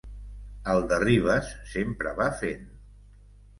El de Ribes sempre va fent.